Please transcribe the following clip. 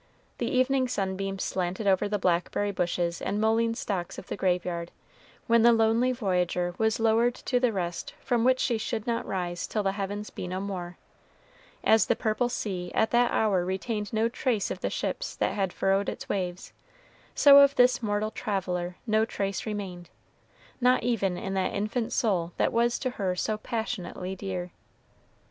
The evening sunbeams slanted over the blackberry bushes and mullein stalks of the graveyard, when the lonely voyager was lowered to the rest from which she should not rise till the heavens be no more. As the purple sea at that hour retained no trace of the ships that had furrowed its waves, so of this mortal traveler no trace remained, not even in that infant soul that was to her so passionately dear.